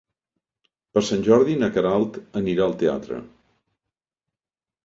Per Sant Jordi na Queralt anirà al teatre.